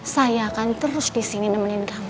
saya akan terus disini nemenin kamu